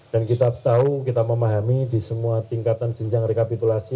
dan kita tahu kita memahami di semua tingkatan jenjang rekapitulasi